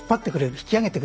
引き上げてくれる。